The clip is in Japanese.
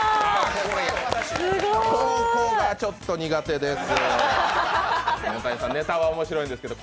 ここがちょっと苦手です。